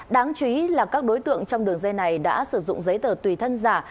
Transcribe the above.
đáng chú ý là các đối tượng trong đường dây này đã sử dụng giấy tờ tùy thân giả